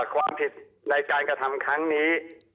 ความผิดในการกระทำครั้งนี้